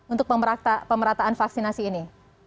untuk pemerataan vaksinasi ini